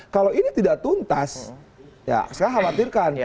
kalau ini tidak tuntas ya saya khawatirkan